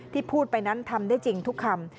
พูดไปนั้นทำได้จริงทุกคำ